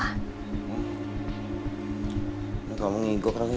aku ngigok lagi udah tidur lagi deh